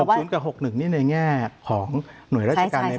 กับ๖๑นี่ในแง่ของหน่วยราชการใน